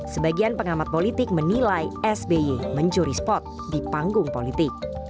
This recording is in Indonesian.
sebagian pengamat politik menilai sby mencuri spot di panggung politik